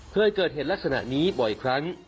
เคยเกิดเหตุลักษณะนี้บ่อยครั้ง